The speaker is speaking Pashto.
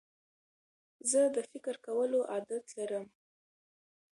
زه د فکر کولو عادت لرم.